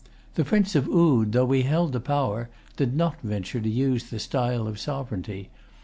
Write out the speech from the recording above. The Prince of Oude, though he held the power, did not venture to use the style of sovereignty.